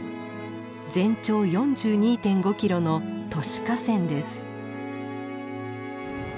全長４２．５キロの都市河川です。